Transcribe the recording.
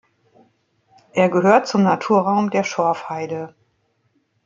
Er gehört zum Naturraum der Schorfheide.